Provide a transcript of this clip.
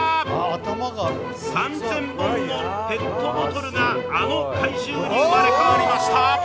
３０００本のペットボトルがあの怪獣に生まれ変わりました。